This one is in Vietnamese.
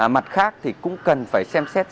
mặt khác thì cũng cần phải xem xét